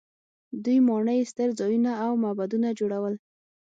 دوی ماڼۍ، ستر ځایونه او معبدونه جوړول.